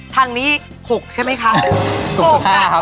ทั้งนี้๖ใช่ไหมครับ